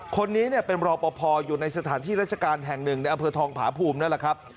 คนนี้เป็นรอปภอยู่ในสถานที่ราชการแห่งหนึ่งในอำเภอทองผาภูมินั่นแหละครับ